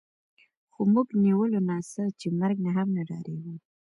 خو موږ نیولو نه څه چې مرګ نه هم نه ډارېږو